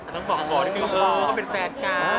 เหมือนเป็นแฝนกาล